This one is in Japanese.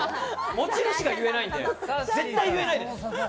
持ち主が言えないんで、絶対言えないです。